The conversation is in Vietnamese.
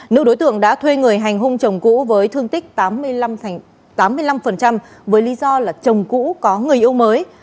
nữ đối tượng đã thuê người hành hung chồng cũ với thương tích tám mươi năm với lý do là chồng cũ có người yêu mới